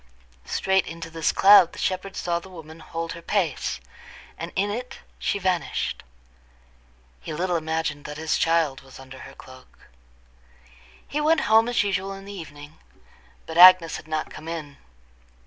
Straight into this cloud the shepherd saw the woman hold her pace, and in it she vanished. He little imagined that his child was under her cloak. He went home as usual in the evening, but Agnes had not come in.